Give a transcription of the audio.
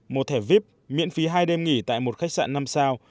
một thẻ vip miễn phí hai đêm nghỉ tại một khách sạn năm sao